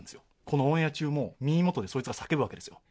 このオンエア中も耳元でそいつが叫ぶわけですよ